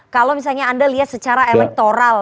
kalau misalnya anda lihat secara elektoral